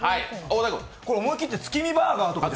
思い切って、月見バーガーとか。